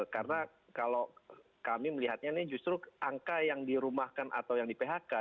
karena kalau kami melihatnya nih justru angka yang dirumahkan atau yang di phk